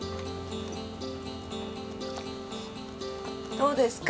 どうですか？